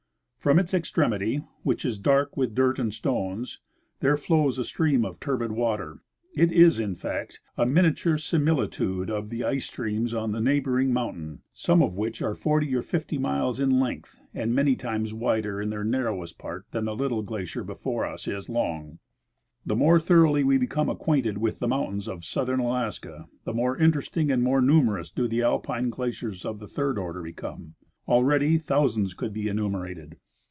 From its extremity, which is dark with dirt and stones, there flows a stream of turbid water. It is, in fact, a miniature similitude of the ice streams on the neighboring mountain, some of which are forty or fifty miles in length and many times wider in their narrowest part than the little glacier before us is long. The inore thoroughly we become acquainted with the mountains of southern Alaska the more interesting and more numerous do the Alpine glaciers of the third order become. Already, thou sands could be enumerated.